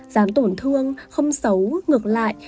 dám tổn thương không xấu ngược lại